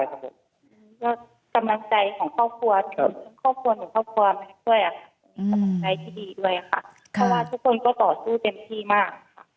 ด้วยสำรั๗๒๐ของครอบครัวแต่ว่าทุกคนก็ต่อสู้เต็มที่มาก